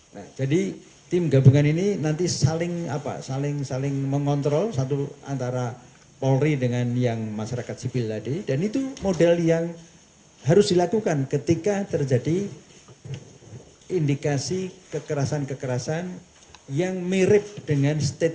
nah jadi tim gabungan ini nanti saling mengontrol satu antara polri dengan yang masyarakat sipil tadi dan itu modal yang harus dilakukan ketika terjadi indikasi kekerasan kekerasan yang mirip dengan statement